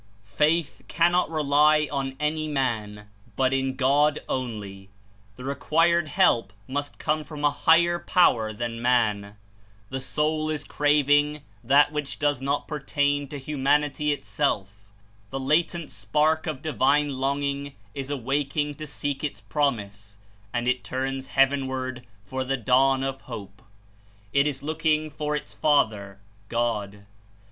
Faith cannot rely on any man, but in God only; the re quired help must come from a higher power than man. The soul is craving that which does not per tain to humanity in itself. The latent spark of divine longing is awaking to seek Its promise, and it turns heavenward for the dawn of hope. It is looking for its Father, God.